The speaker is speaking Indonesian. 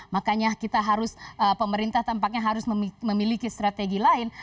makanya kita harus pemerintah tampaknya harus memiliki strategi lain